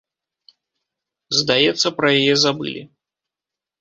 Здаецца, пра яе забылі.